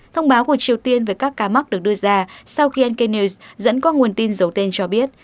thông báo của triều tiên về các ca mắc được đưa ra sau khi al kenns dẫn qua nguồn tin giấu tên cho biết